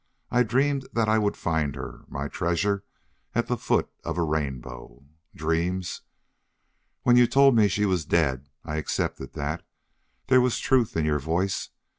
I dreamed that I would find her my treasure at the foot of a rainbow. Dreams!... When you told me she was dead I accepted that. There was truth in your voice.